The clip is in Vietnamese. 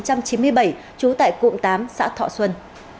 trần văn tranh sinh năm một nghìn chín trăm chín mươi bảy trú tại cụm tám xã thọ xuân